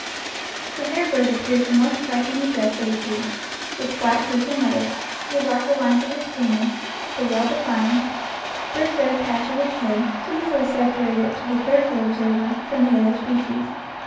The hair bird appears the more strikingly dressed of the two. Its black beak and legs, the darker lines on its plumage, the well defined, brick red patch on its head easily separate it to the careful observer from the other species.